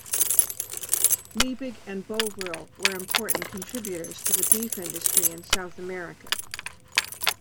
Liebig and Bovril were important contributors to the beef industry in South America.